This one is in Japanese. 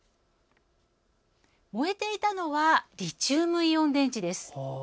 燃えていたのはリチウムイオン電池です。